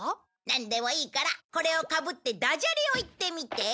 なんでもいいからこれをかぶってダジャレを言ってみて。